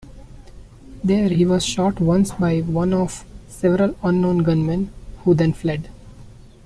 There, he was shot once by one of several unknown gunmen, who then fled.